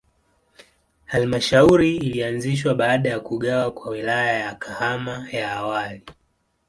Halmashauri ilianzishwa baada ya kugawa kwa Wilaya ya Kahama ya awali.